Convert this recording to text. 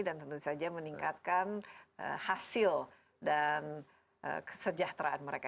dan tentu saja meningkatkan hasil dan kesejahteraan mereka